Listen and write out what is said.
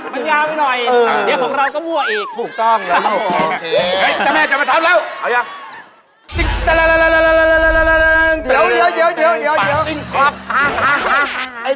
มันยาวไปหน่อยเดี๋ยวของเราก็มั่วอีก